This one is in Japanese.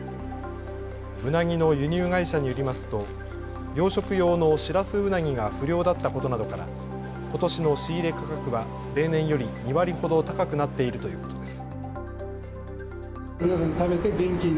うなぎの輸入会社によりますと養殖用のシラスウナギが不漁だったことなどからことしの仕入れ価格は例年より２割ほど高くなっているということです。